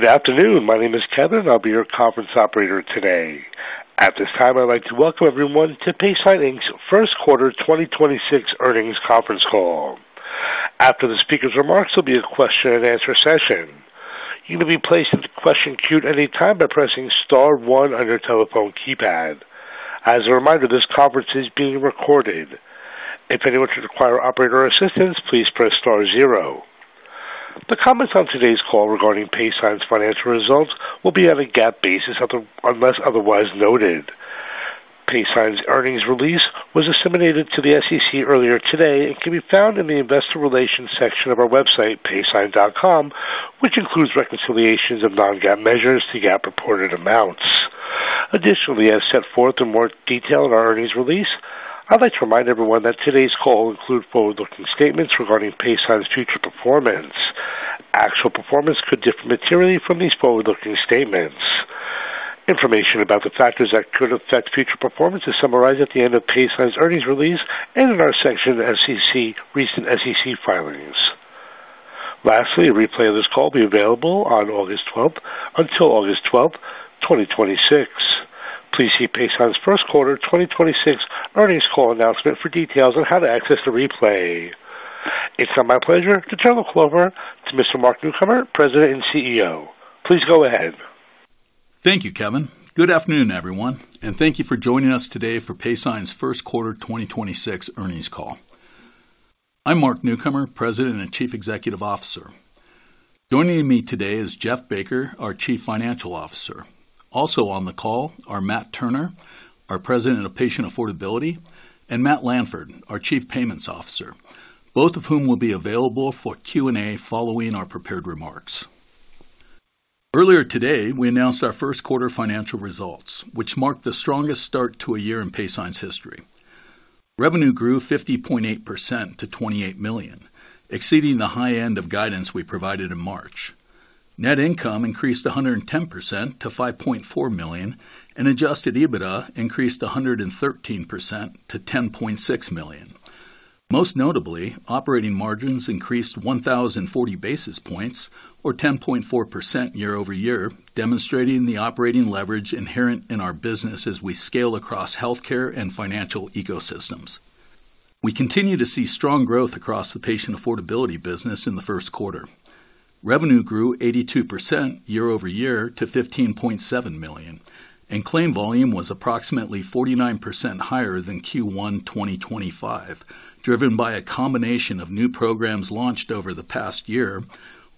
Good afternoon. My name is Kevin, and I'll be your conference operator today. At this time, I'd like to welcome everyone to Paysign's First Quarter 2026 earnings conference call. After the speaker's remarks, there'll be a question and answer session. You can be placed in the question queue at any time by pressing star 1 on your telephone keypad. As a reminder, this conference is being recorded. If anyone should require operator assistance, please press star 0. The comments on today's call regarding Paysign's financial results will be on a GAAP basis unless otherwise noted. Paysign's earnings release was disseminated to the SEC earlier today and can be found in the investor relations section of our website, paysign.com, which includes reconciliations of non-GAAP measures to GAAP reported amounts. Additionally, as set forth in more detail in our earnings release, I'd like to remind everyone that today's call will include forward-looking statements regarding Paysign's future performance. Actual performance could differ materially from these forward-looking statements. Information about the factors that could affect future performance is summarized at the end of Paysign's earnings release and in our recent SEC filings. Lastly, a replay of this call will be available on August 12th until August 12th, 2026. Please see Paysign's first quarter 2026 earnings call announcement for details on how to access the replay. It's now my pleasure to turn the call over to Mr. Mark Newcomer, President and CEO. Please go ahead. Thank you, Kevin. Good afternoon, everyone, and thank you for joining us today for Paysign's first quarter 2026 earnings call. I'm Mark Newcomer, President and Chief Executive Officer. Joining me today is Jeff Baker, our Chief Financial Officer. Also on the call are Matthew Turner, our President of Patient Affordability, and Matthew Lanford, our Chief Payments Officer, both of whom will be available for Q&A following our prepared remarks. Earlier today, we announced our first quarter financial results, which marked the strongest start to a year in Paysign's history. Revenue grew 50.8% to $28 million, exceeding the high end of guidance we provided in March. Net income increased 110% to $5.4 million, and adjusted EBITDA increased 113% to $10.6 million. Most notably, operating margins increased 1,040 basis points or 10.4% year-over-year, demonstrating the operating leverage inherent in our business as we scale across healthcare and financial ecosystems. We continue to see strong growth across the patient affordability business in the first quarter. Revenue grew 82% year-over-year to $15.7 million, and claim volume was approximately 49% higher than Q1 2025, driven by a combination of new programs launched over the past year,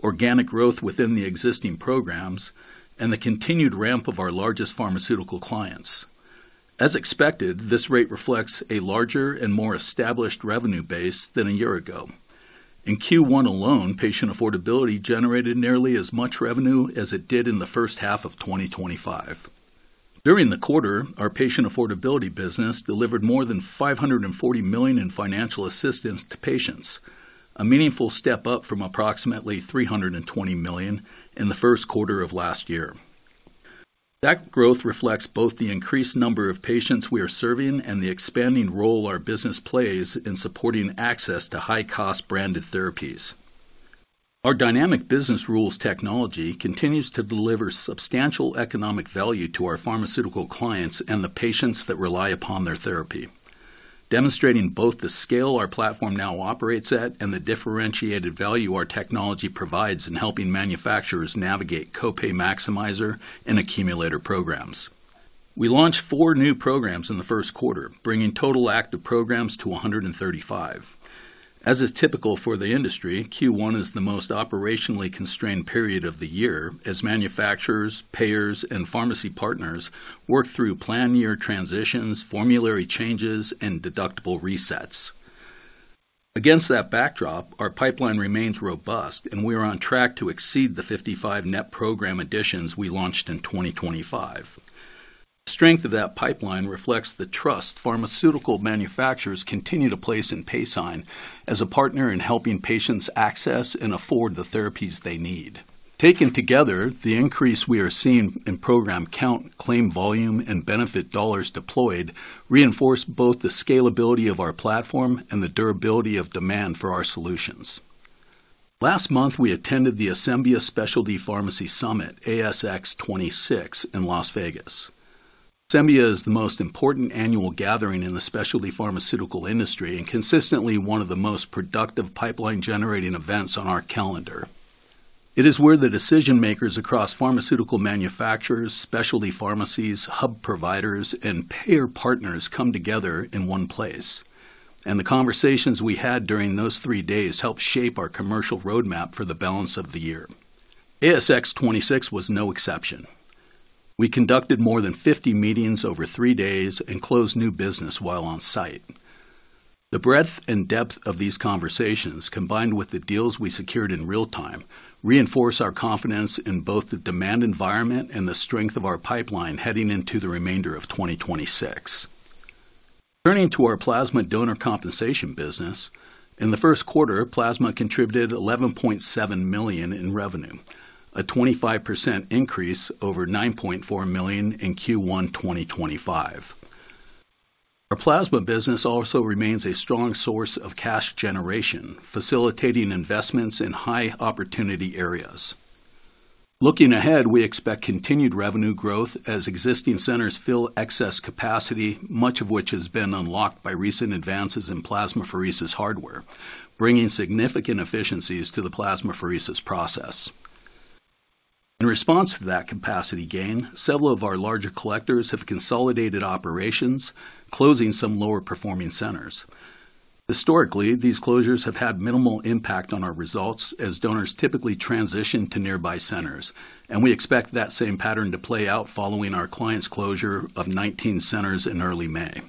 organic growth within the existing programs, and the continued ramp of our largest pharmaceutical clients. As expected, this rate reflects a larger and more established revenue base than a year ago. In Q1 alone, patient affordability generated nearly as much revenue as it did in the first half of 2025. During the quarter, our patient affordability business delivered more than $540 million in financial assistance to patients, a meaningful step up from approximately $320 million in the first quarter of last year. That growth reflects both the increased number of patients we are serving and the expanding role our business plays in supporting access to high-cost branded therapies. Our dynamic business rules technology continues to deliver substantial economic value to our pharmaceutical clients and the patients that rely upon their therapy, demonstrating both the scale our platform now operates at and the differentiated value our technology provides in helping manufacturers navigate co-pay maximizer and accumulator programs. We launched four new programs in the first quarter, bringing total active programs to 135. As is typical for the industry, Q1 is the most operationally constrained period of the year as manufacturers, payers, and pharmacy partners work through plan year transitions, formulary changes, and deductible resets. Against that backdrop, our pipeline remains robust, and we are on track to exceed the 55 net program additions we launched in 2025. The strength of that pipeline reflects the trust pharmaceutical manufacturers continue to place in Paysign as a partner in helping patients access and afford the therapies they need. Taken together, the increase we are seeing in program count, claim volume, and benefit dollars deployed reinforce both the scalability of our platform and the durability of demand for our solutions. Last month, we attended the Asembia Specialty Pharmacy Summit, AXS26, in Las Vegas. Asembia is the most important annual gathering in the specialty pharmaceutical industry and consistently one of the most productive pipeline-generating events on our calendar. It is where the decision makers across pharmaceutical manufacturers, specialty pharmacies, hub providers, and payer partners come together in one place. The conversations we had during those three days helped shape our commercial roadmap for the balance of the year. AXS26 was no exception. We conducted more than 50 meetings over three days and closed new business while on-site. The breadth and depth of these conversations, combined with the deals we secured in real time, reinforce our confidence in both the demand environment and the strength of our pipeline heading into the remainder of 2026. Turning to our plasma donor compensation business. In the first quarter, plasma contributed $11.7 million in revenue, a 25% increase over $9.4 million in Q1 2025. Our plasma business also remains a strong source of cash generation, facilitating investments in high-opportunity areas. Looking ahead, we expect continued revenue growth as existing centers fill excess capacity, much of which has been unlocked by recent advances in plasmapheresis hardware, bringing significant efficiencies to the plasmapheresis process. In response to that capacity gain, several of our larger collectors have consolidated operations, closing some lower-performing centers. Historically, these closures have had minimal impact on our results as donors typically transition to nearby centers, and we expect that same pattern to play out following our client's closure of 19 centers in early May.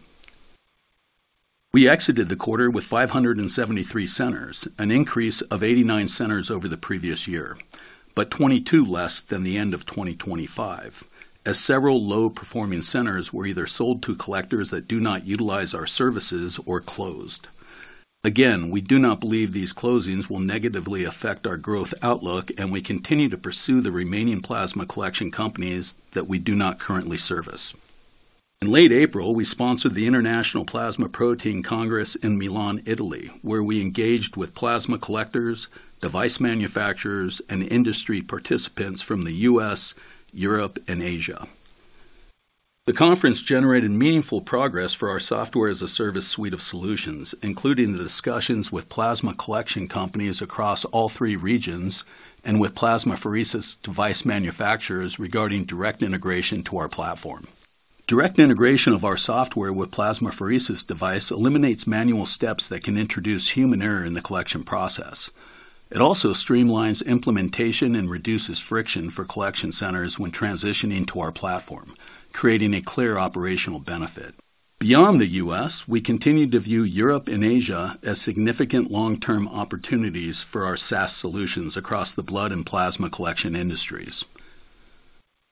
We exited the quarter with 573 centers, an increase of 89 centers over the previous year, but 22 less than the end of 2025, as several low-performing centers were either sold to collectors that do not utilize our services or closed. We do not believe these closings will negatively affect our growth outlook, and we continue to pursue the remaining plasma collection companies that we do not currently service. In late April, we sponsored the International Plasma Protein Congress in Milan, Italy, where we engaged with plasma collectors, device manufacturers, and industry participants from the U.S., Europe, and Asia. The conference generated meaningful progress for our software-as-a-service suite of solutions, including the discussions with plasma collection companies across all three regions and with plasmapheresis device manufacturers regarding direct integration to our platform. Direct integration of our software with plasmapheresis device eliminates manual steps that can introduce human error in the collection process. It also streamlines implementation and reduces friction for collection centers when transitioning to our platform, creating a clear operational benefit. Beyond the U.S., we continue to view Europe and Asia as significant long-term opportunities for our SaaS solutions across the blood and plasma collection industries.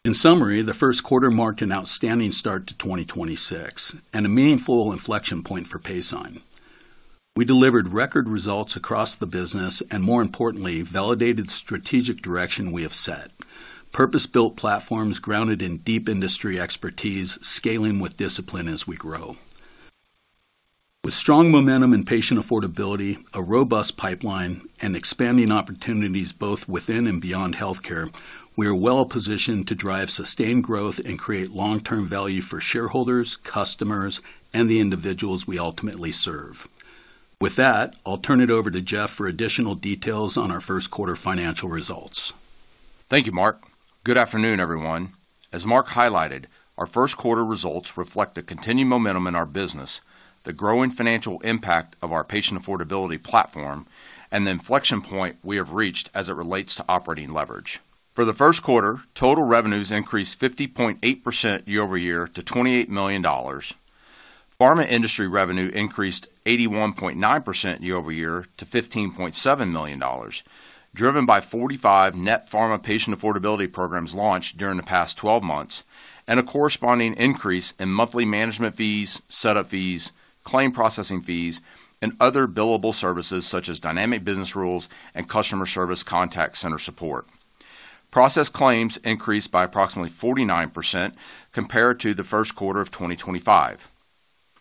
In summary, the first quarter marked an outstanding start to 2026 and a meaningful inflection point for Paysign. We delivered record results across the business and, more importantly, validated strategic direction we have set. Purpose-built platforms grounded in deep industry expertise, scaling with discipline as we grow. With strong momentum and patient affordability, a robust pipeline, and expanding opportunities both within and beyond healthcare, we are well-positioned to drive sustained growth and create long-term value for shareholders, customers, and the individuals we ultimately serve. With that, I'll turn it over to Jeff for additional details on our first quarter financial results. Thank you, Mark. Good afternoon, everyone. As Mark highlighted, our first quarter results reflect the continued momentum in our business, the growing financial impact of our patient affordability platform, and the inflection point we have reached as it relates to operating leverage. For the first quarter, total revenues increased 50.8% year-over-year to $28 million. Pharma industry revenue increased 81.9% year-over-year to $15.7 million, driven by 45 net pharma patient affordability programs launched during the past 12 months and a corresponding increase in monthly management fees, setup fees, claim processing fees, and other billable services such as dynamic business rules and customer service contact center support. Processed claims increased by approximately 49% compared to the first quarter of 2025.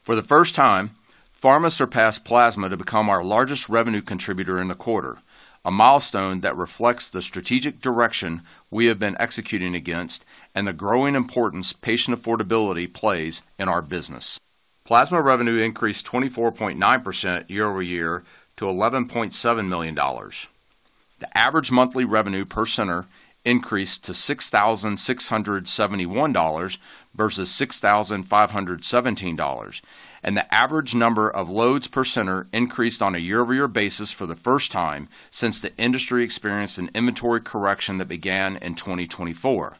For the first time, pharma surpassed plasma to become our largest revenue contributor in the quarter, a milestone that reflects the strategic direction we have been executing against and the growing importance patient affordability plays in our business. Plasma revenue increased 24.9% year-over-year to $11.7 million. The average monthly revenue per center increased to $6,671 versus $6,517, and the average number of loads per center increased on a year-over-year basis for the first time since the industry experienced an inventory correction that began in 2024.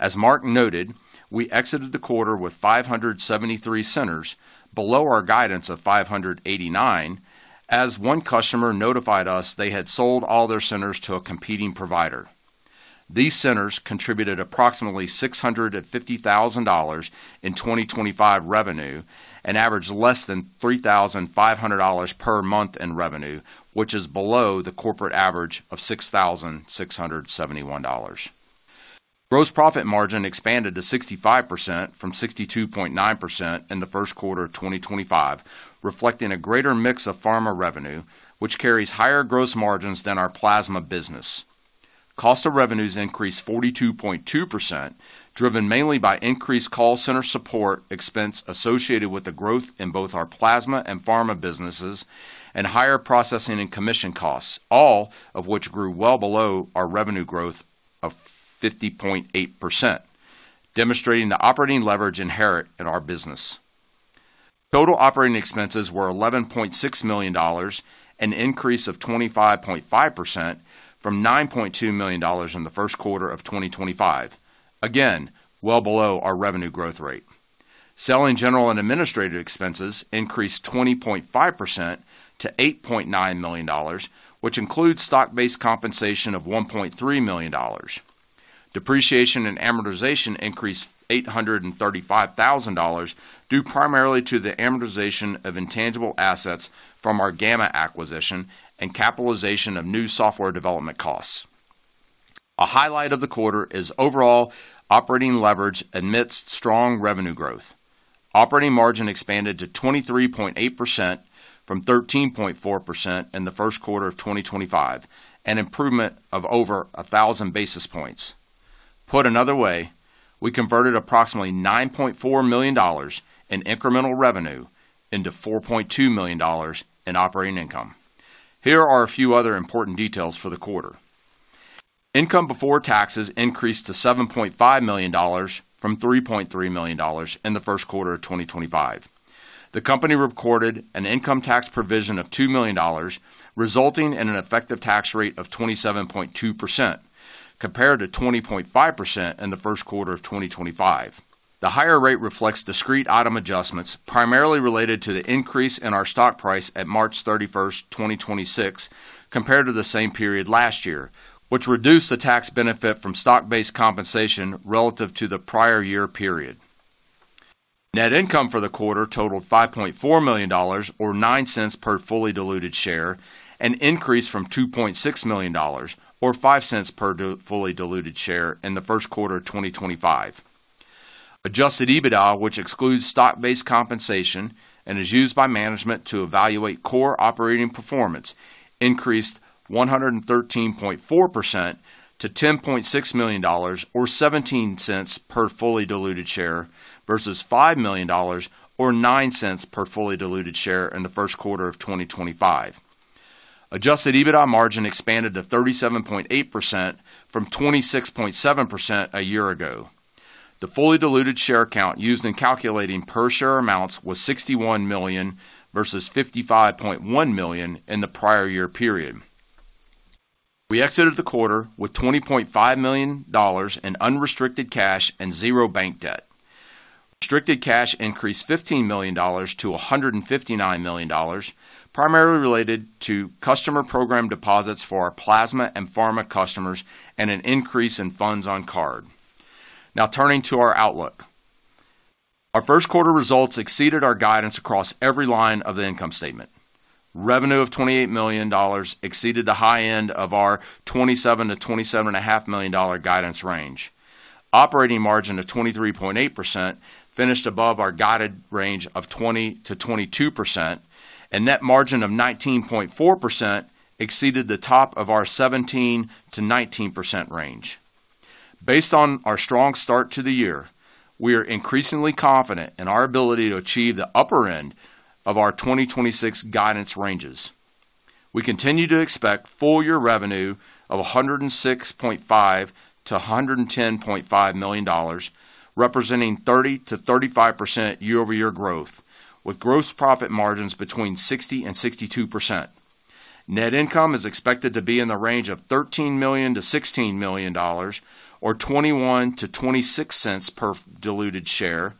As Mark noted, we exited the quarter with 573 centers below our guidance of 589 as one customer notified us they had sold all their centers to a competing provider. These centers contributed approximately $650,000 in 2025 revenue and averaged less than $3,500 per month in revenue, which is below the corporate average of $6,671. Gross profit margin expanded to 65% from 62.9% in the first quarter of 2025, reflecting a greater mix of pharma revenue, which carries higher gross margins than our plasma business. Cost of revenues increased 42.2%, driven mainly by increased call center support expense associated with the growth in both our plasma and pharma businesses and higher processing and commission costs, all of which grew well below our revenue growth of 50.8%, demonstrating the operating leverage inherent in our business. Total operating expenses were $11.6 million, an increase of 25.5% from $9.2 million in the first quarter of 2025. Again, well below our revenue growth rate. Selling general and administrative expenses increased 20.5% to $8.9 million, which includes stock-based compensation of $1.3 million. Depreciation and amortization increased $835,000 due primarily to the amortization of intangible assets from our Gamma acquisition and capitalization of new software development costs. A highlight of the quarter is overall operating leverage amidst strong revenue growth. Operating margin expanded to 23.8% from 13.4% in the first quarter of 2025, an improvement of over 1,000 basis points. Put another way, we converted approximately $9.4 million in incremental revenue into $4.2 million in operating income. Here are a few other important details for the quarter. Income before taxes increased to $7.5 million from $3.3 million in the first quarter of 2025. The company recorded an income tax provision of $2 million, resulting in an effective tax rate of 27.2% compared to 20.5% in the first quarter of 2025. The higher rate reflects discrete item adjustments, primarily related to the increase in our stock price at March 31, 2026, compared to the same period last year, which reduced the tax benefit from stock-based compensation relative to the prior year period. Net income for the quarter totaled $5.4 million or $0.09 per fully diluted share, an increase from $2.6 million or $0.05 per fully diluted share in the first quarter of 2025. Adjusted EBITDA, which excludes stock-based compensation and is used by management to evaluate core operating performance, increased 113.4% to $10.6 million or $0.17 per fully diluted share versus $5 million or $0.09 per fully diluted share in the first quarter of 2025. Adjusted EBITDA margin expanded to 37.8% from 26.7% a year ago. The fully diluted share count used in calculating per share amounts was 61 million versus 55.1 million in the prior year period. We exited the quarter with $20.5 million in unrestricted cash and zero bank debt. Restricted cash increased $15 million-$159 million, primarily related to customer program deposits for our plasma and pharma customers and an increase in funds on card. Turning to our outlook. Our first quarter results exceeded our guidance across every line of the income statement. Revenue of $28 million exceeded the high end of our $27 million-$27.5 million guidance range. Operating margin of 23.8% finished above our guided range of 20%-22%, and net margin of 19.4% exceeded the top of our 17%-19% range. Based on our strong start to the year, we are increasingly confident in our ability to achieve the upper end of our 2026 guidance ranges. We continue to expect full year revenue of $106.5 million-$110.5 million, representing 30%-35% year-over-year growth, with gross profit margins between 60%-62%. Net income is expected to be in the range of $13 million-$16 million or $0.21-$0.26 per diluted share,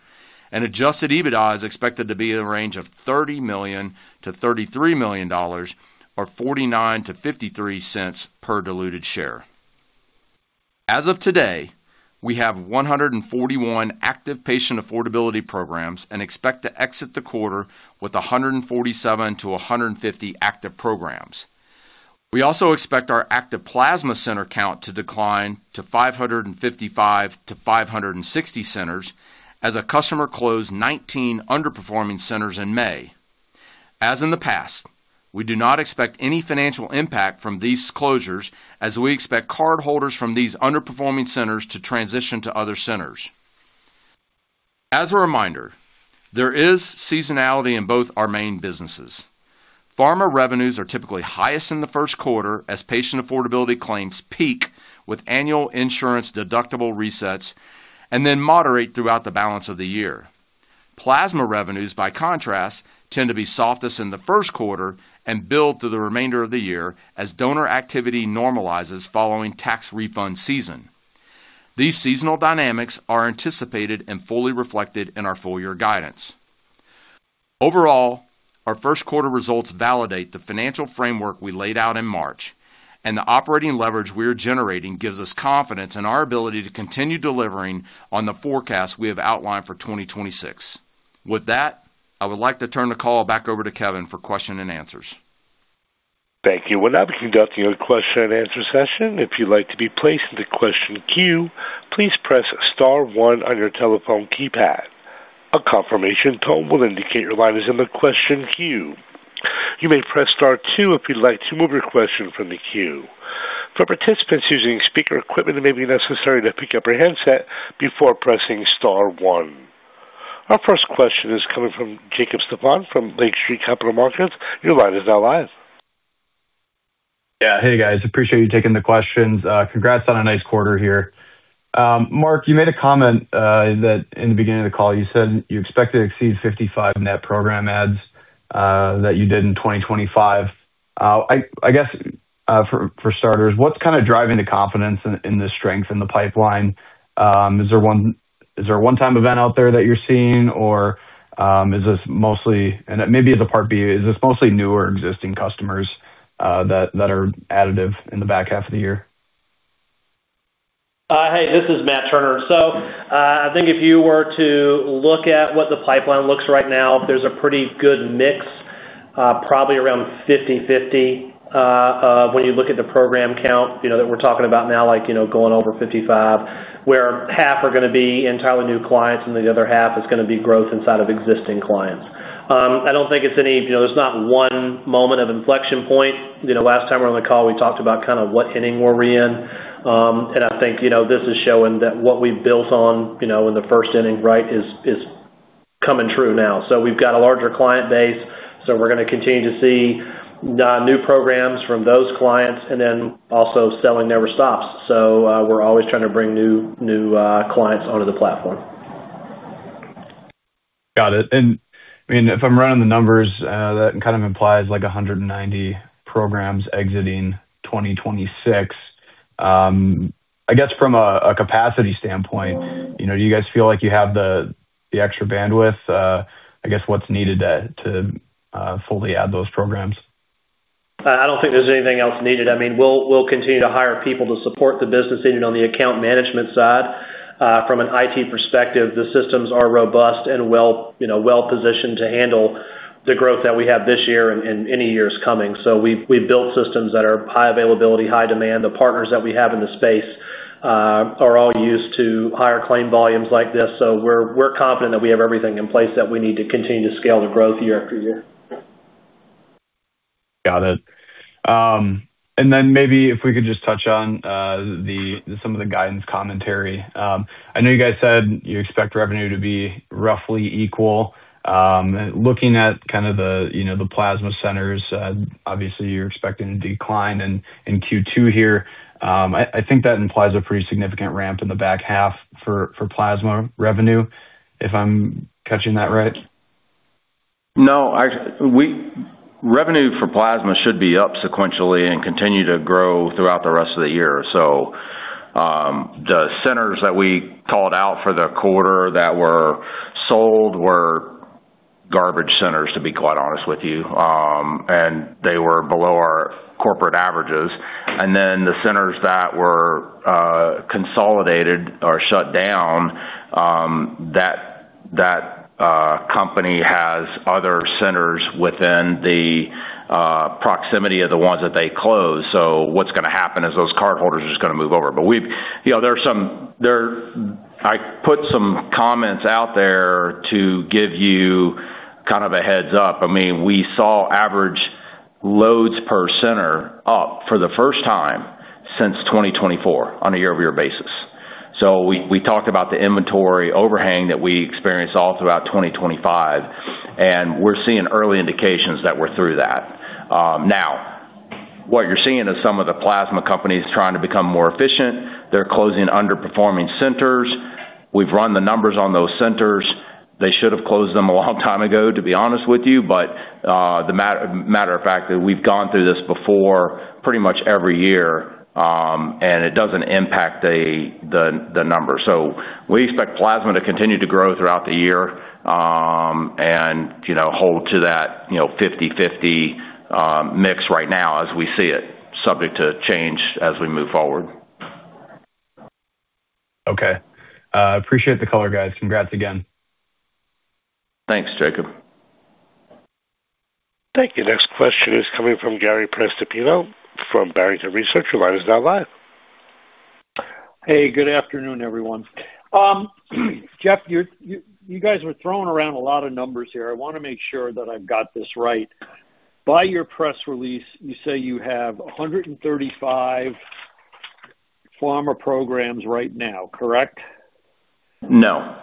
and adjusted EBITDA is expected to be in the range of $30 million-$33 million or $0.49-$0.53 per diluted share. As of today, we have 141 active patient affordability programs and expect to exit the quarter with 147-150 active programs. We also expect our active plasma center count to decline to 555-560 centers as a customer closed 19 underperforming centers in May. As in the past, we do not expect any financial impact from these closures as we expect cardholders from these underperforming centers to transition to other centers. As a reminder, there is seasonality in both our main businesses. Pharma revenues are typically highest in the first quarter as patient affordability claims peak with annual insurance deductible resets and then moderate throughout the balance of the year. Plasma revenues, by contrast, tend to be softest in the first quarter and build through the remainder of the year as donor activity normalizes following tax refund season. These seasonal dynamics are anticipated and fully reflected in our full year guidance. Overall, our first quarter results validate the financial framework we laid out in March, and the operating leverage we are generating gives us confidence in our ability to continue delivering on the forecast we have outlined for 2026. With that, I would like to turn the call back over to Kevin for question and answers. Thank you. We'll now be conducting a question and answer session. If you'd like to be placed in the question queue, please press star one on your telephone keypad. A confirmation tone will indicate your line is in the question queue. You may press star two if you'd like to move your question from the queue. For participants using speaker equipment, it may be necessary to pick up your handset before pressing star one. Our first question is coming from Jacob Stephan from Lake Street Capital Markets. Your line is now live. Hey, guys. Appreciate you taking the questions. Congrats on a nice quarter here. Mark, you made a comment that in the beginning of the call, you said you expect to exceed 55 net program adds that you did in 2025. I guess, for starters, what's kind of driving the confidence in the strength in the pipeline? Is there a one-time event out there that you're seeing? Is this mostly And maybe as a part B, is this mostly new or existing customers that are additive in the back half of the year? Hey, this is Matthew Turner. I think if you were to look at what the pipeline looks right now, there's a pretty good mix, probably around 50-50, when you look at the program count, you know, that we're talking about now, like, you know, going over 55, where half are gonna be entirely new clients and the other half is gonna be growth inside of existing clients. I don't think it's, you know, there's not one moment of inflection point. You know, last time we were on the call, we talked about kind of what inning were we in. I think, you know, this is showing that what we've built on, you know, in the first inning, right, is coming true now. We've got a larger client base, so we're gonna continue to see new programs from those clients and then also selling never stops. We're always trying to bring new clients onto the platform. Got it. I mean, if I'm running the numbers, that kind of implies like 190 programs exiting 2026. I guess from a capacity standpoint, you know, do you guys feel like you have the extra bandwidth, I guess, what's needed to fully add those programs? I don't think there's anything else needed. I mean, we'll continue to hire people to support the business, even on the account management side. From an IT perspective, the systems are robust and well, you know, well-positioned to handle the growth that we have this year and any years coming. We've built systems that are high availability, high demand. The partners that we have in the space are all used to higher claim volumes like this. We're confident that we have everything in place that we need to continue to scale the growth year after year. Got it. Maybe if we could just touch on some of the guidance commentary. I know you guys said you expect revenue to be roughly equal. Looking at kind of the, you know, the plasma centers, obviously you're expecting a decline in Q2 here. I think that implies a pretty significant ramp in the back half for plasma revenue, if I'm catching that right. No. Revenue for plasma should be up sequentially and continue to grow throughout the rest of the year. The centers that we called out for the quarter that were sold were garbage centers, to be quite honest with you. They were below our corporate averages. The centers that were consolidated or shut down, that company has other centers within the proximity of the ones that they closed. What's gonna happen is those cardholders are just gonna move over. You know, I put some comments out there to give you kind of a heads-up. I mean, we saw average loads per center up for the first time since 2024 on a year-over-year basis. We talked about the inventory overhang that we experienced all throughout 2025, and we're seeing early indications that we're through that. Now, what you're seeing is some of the plasma companies trying to become more efficient. They're closing underperforming centers. We've run the numbers on those centers. They should have closed them a long time ago, to be honest with you, but the matter of fact that we've gone through this before pretty much every year, and it doesn't impact the number. We expect plasma to continue to grow throughout the year, and, you know, hold to that, you know, 50/50 mix right now as we see it, subject to change as we move forward. Okay. appreciate the color, guys. Congrats again. Thanks, Jacob. Thank you. Next question is coming from Gary Prestopino from Barrington Research. Your line is now live. Hey, good afternoon, everyone. Jeff, you guys were throwing around a lot of numbers here. I wanna make sure that I've got this right. By your press release, you say you have 135 pharma programs right now, correct? No.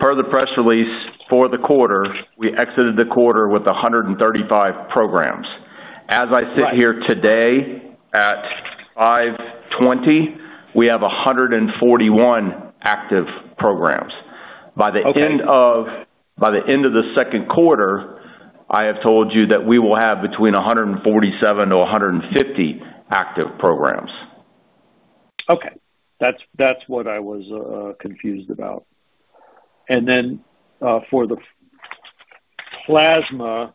Per the press release for the quarter, we exited the quarter with 135 programs. Right. As I sit here today at 5:20, we have 141 active programs. Okay. By the end of the second quarter, I have told you that we will have between 147 to 150 active programs. Okay. That's what I was confused about. Then, for the plasma,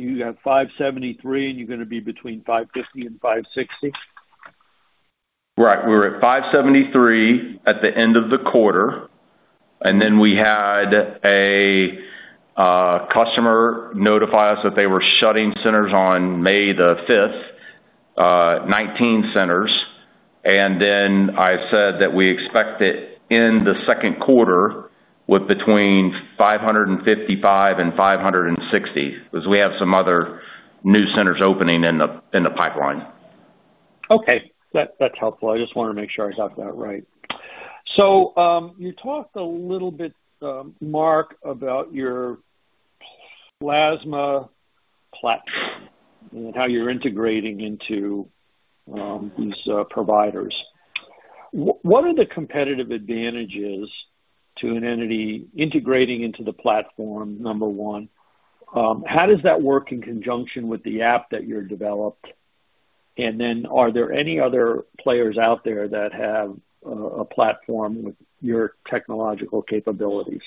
you have $573, and you're gonna be between $550 and $560? Right. We were at 573 at the end of the quarter, we had a customer notify us that they were shutting centers on May the 5th, 19 centers. I said that we expect it in the second quarter with between 555 and 560, because we have some other new centers opening in the pipeline. Okay. That's helpful. I just wanna make sure I got that right. You talked a little bit, Mark, about your plasma platform and how you're integrating into these providers. What are the competitive advantages to an entity integrating into the platform, number one? How does that work in conjunction with the app that you developed? Are there any other players out there that have a platform with your technological capabilities?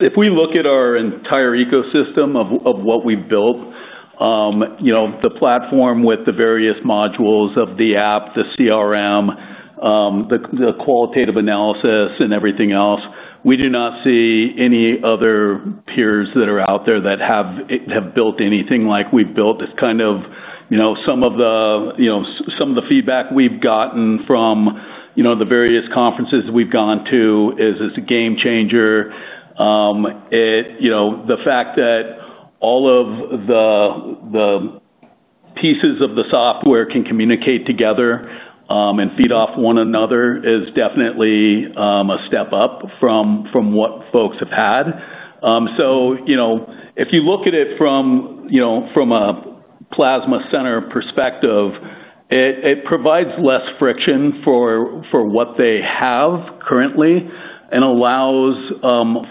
If we look at our entire ecosystem of what we've built, you know, the platform with the various modules of the app, the CRM, the qualitative analysis and everything else, we do not see any other peers that are out there that have built anything like we've built. It's kind of, you know, some of the, you know, some of the feedback we've gotten from, you know, the various conferences we've gone to is it's a game changer. you know, the fact that all of the pieces of the software can communicate together, and feed off one another is definitely a step up from what folks have had. You know, if you look at it from, you know, from a plasma center perspective, it provides less friction for what they have currently and allows,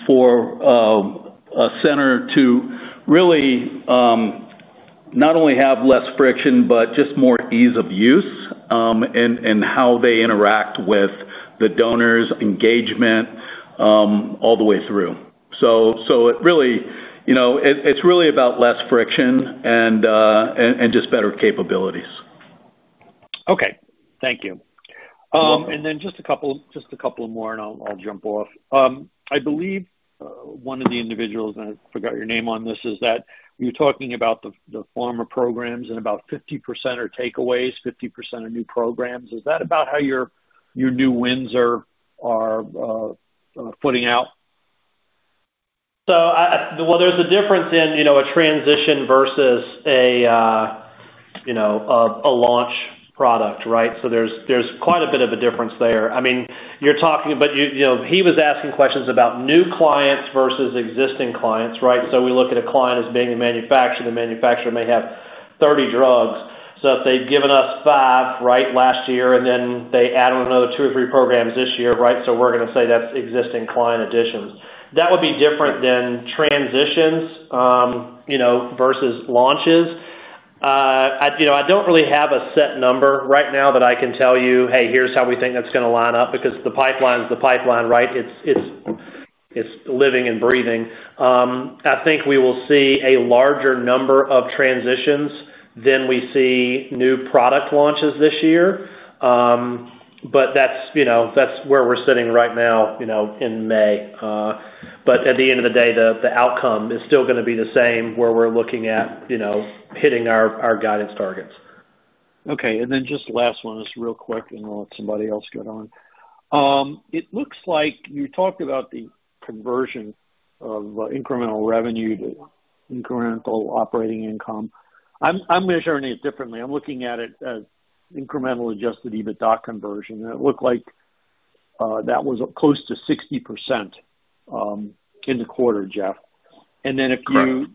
for, a center to really, not only have less friction, but just more ease of use, in how they interact with the donors engagement, all the way through. It really, you know, it's really about less friction and, just better capabilities. Okay. Thank you. You're welcome. Just a couple of more and I'll jump off. I believe, one of the individuals, and I forgot your name on this, is that you're talking about the pharma programs and about 50% are takeaways, 50% are new programs. Is that about how your new wins are footing out? There's a difference in, you know, a transition versus a, you know, a launch product, right? There's quite a bit of a difference there. I mean, you know, he was asking questions about new clients versus existing clients, right? We look at a client as being a manufacturer. The manufacturer may have 30 drugs, so if they've given us five, right? Last year, and then they add on another two or three programs this year, right? We're gonna say that's existing client additions. That would be different than transitions, you know, versus launches. I, you know, I don't really have a set number right now that I can tell you, "Hey, here's how we think that's gonna line up," because the pipeline's the pipeline, right? It's living and breathing. I think we will see a larger number of transitions than we see new product launches this year. That's, you know, that's where we're sitting right now, you know, in May. At the end of the day, the outcome is still gonna be the same, where we're looking at, you know, hitting our guidance targets. Okay. Just last one, just real quick and I'll let somebody else get on. It looks like you talked about the conversion of incremental revenue to incremental operating income. I'm measuring it differently. I'm looking at it as incremental adjusted EBITDA conversion, and it looked like that was up close to 60% in the quarter, Jeff. Correct.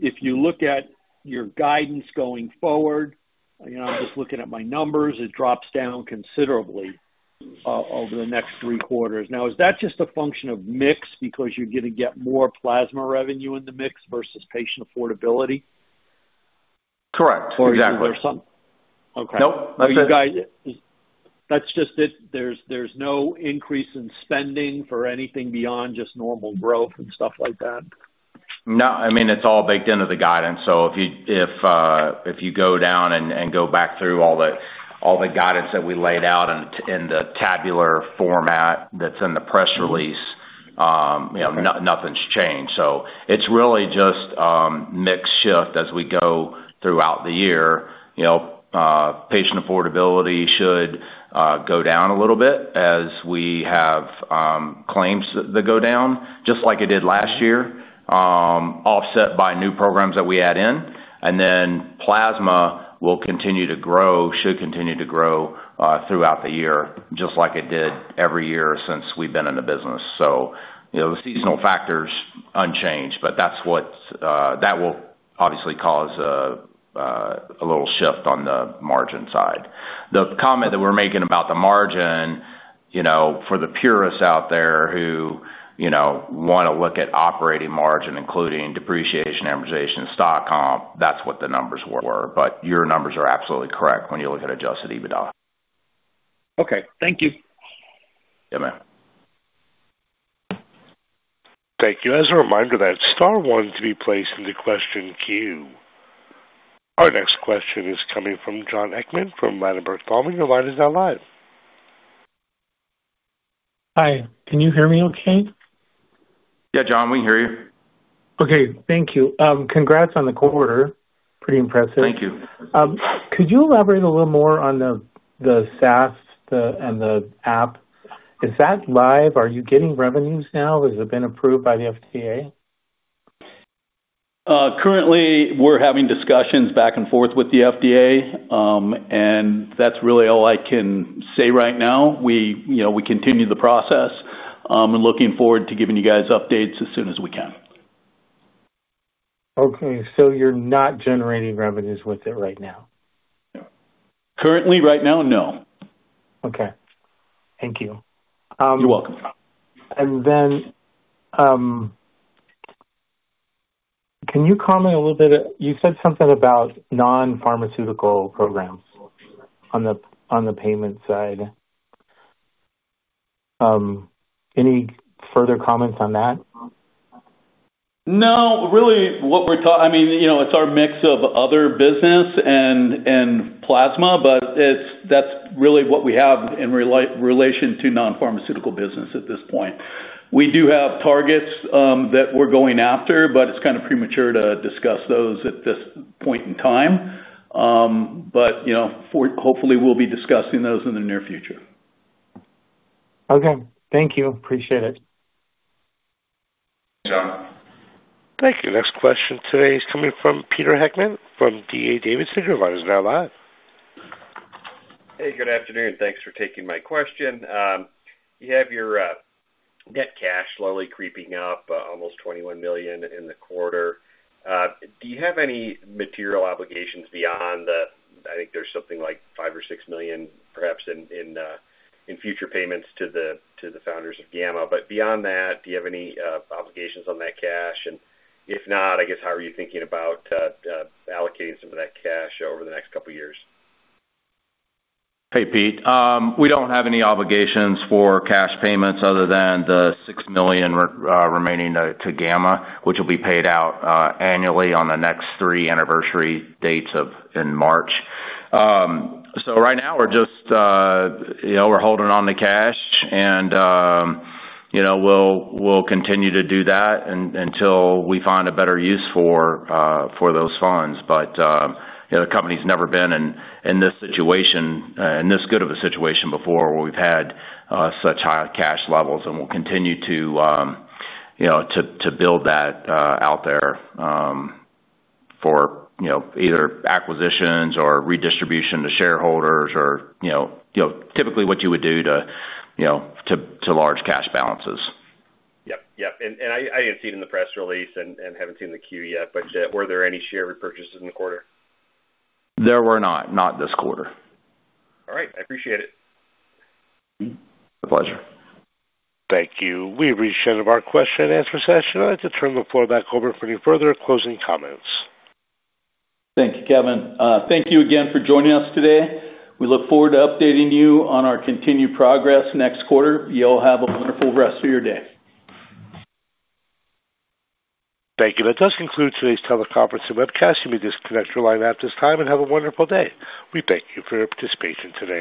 If you look at your guidance going forward, you know, I'm just looking at my numbers, it drops down considerably over the next three quarters. Is that just a function of mix because you're gonna get more plasma revenue in the mix versus patient affordability? Correct. Exactly. Is there some Okay? Nope. That's it. Are you guys, that's just it? There's no increase in spending for anything beyond just normal growth and stuff like that? I mean, it's all baked into the guidance. If you go down and go back through all the guidance that we laid out in the tabular format that's in the press release. Mm-hmm. Okay. You know, nothing's changed. It's really just mix shift as we go throughout the year. You know, patient affordability should go down a little bit as we have claims that go down, just like it did last year, offset by new programs that we add in. Plasma will continue to grow, should continue to grow throughout the year, just like it did every year since we've been in the business. You know, the seasonal factor's unchanged, but that's what's that will obviously cause a little shift on the margin side. The comment that we're making about the margin, you know, for the purists out there who, you know, wanna look at operating margin, including depreciation, amortization, stock comp, that's what the numbers were. Your numbers are absolutely correct when you look at adjusted EBITDA. Okay. Thank you. Yeah, man. Thank you. As a reminder, that's star one to be placed into question queue. Our next question is coming from Jon Hickman from Ladenburg Thalmann. Your line is now live. Hi, can you hear me okay? Yeah, Jon, we can hear you. Okay. Thank you. Congrats on the quarter. Pretty impressive. Thank you. Could you elaborate a little more on the SaaS and the app? Is that live? Are you getting revenues now? Has it been approved by the FDA? Currently, we're having discussions back and forth with the FDA, and that's really all I can say right now. We, you know, we continue the process, and looking forward to giving you guys updates as soon as we can. You're not generating revenues with it right now? Currently, right now, no. Okay. Thank you. You're welcome. And then, um- Can you comment a little bit, you said something about non-pharmaceutical programs on the, on the payment side. Any further comments on that? No, really what we're I mean, you know, it's our mix of other business and plasma, but it's, that's really what we have in relation to non-pharmaceutical business at this point. We do have targets that we're going after, but it's kind of premature to discuss those at this point in time. You know, hopefully we'll be discussing those in the near future. Okay. Thank you. Appreciate it. Jon. Thank you. Next question today is coming from Peter Heckmann from D.A. Davidson. Your line is now live. Hey, good afternoon. Thanks for taking my question. You have your net cash slowly creeping up, almost $21 million in the quarter. Do you have any material obligations beyond the, I think there's something like $5 million or $6 million perhaps in future payments to the founders of Gamma. Beyond that, do you have any obligations on that cash? If not, I guess, how are you thinking about allocating some of that cash over the next couple years? Hey, Pete. We don't have any obligations for cash payments other than the $6 million remaining to Gamma, which will be paid out annually on the next three anniversary dates in March. Right now we're just, you know, we're holding on to cash and, you know, we'll continue to do that until we find a better use for those funds. You know, the company's never been in this situation, in this good of a situation before, where we've had such high cash levels and we'll continue to, you know, to build that out there for, you know, either acquisitions or redistribution to shareholders or, you know, typically what you would do to large cash balances. Yep. Yep. I didn't see it in the press release and haven't seen the queue yet, were there any share repurchases in the quarter? There were not. Not this quarter. All right. I appreciate it. Mm-hmm. My pleasure. Thank you. We've reached the end of our question and answer session. I'd like to turn the floor back over for any further closing comments. Thank you, Kevin. Thank you again for joining us today. We look forward to updating you on our continued progress next quarter. You all have a wonderful rest of your day. Thank you. That does conclude today's teleconference and webcast. You may disconnect your line at this time, and have a wonderful day. We thank you for your participation today.